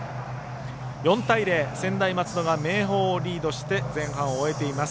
４対０、専大松戸が明豊をリードして前半を終えています。